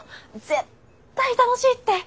絶対楽しいって。